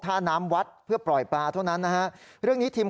มาศักรระสิ่งศักดิ์สิทธิ์ภายในวัดเท่านั้นเองนะครับ